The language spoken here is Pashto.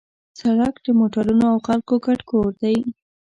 سړک د موټرونو او خلکو ګډ کور دی.